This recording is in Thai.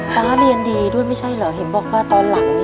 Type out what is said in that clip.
ฟ้าเรียนดีด้วยไม่ใช่เหรอเห็นบอกว่าตอนหลัง